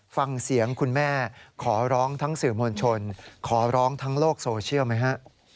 ฟังเสียงคุณแม่ขอร้องทั้งสื่อมวลชนขอร้องทั้งโลกโซเชียลไหมฮะ